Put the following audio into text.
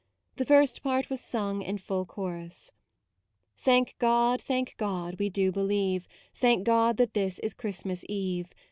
The first part was sung in full chorus :" Thank God, thank God, we do believe, Thank God that this is Christmas Eve.